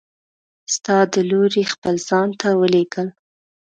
ستا د لورې خپل ځان ته ولیږل!